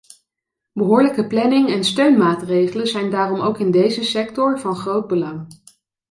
Behoorlijke planning en steunmaatregelen zijn daarom ook in deze sector van groot belang.